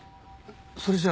それじゃあ。